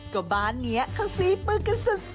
ก็บ้านเงี้ยของสีปืนกันสุด